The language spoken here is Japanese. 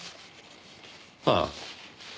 ああ。